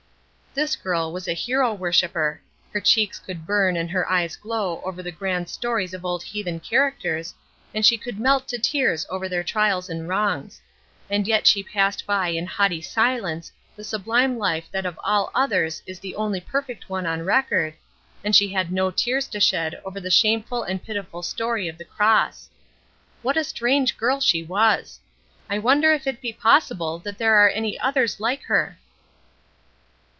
This girl was a hero worshiper. Her cheeks could burn and her eyes glow over the grand stories of old heathen characters, and she could melt to tears over their trials and wrongs. And yet she passed by in haughty silence the sublime life that of all others is the only perfect one on record, and she had no tears to shed over the shameful and pitiful story of the cross. What a strange girl she was! I wonder if it be possible that there are any others like her?